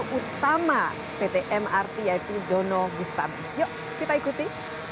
pertama pt mrt yaitu dono bistami yuk kita ikuti